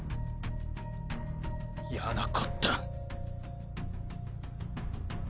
やなこった。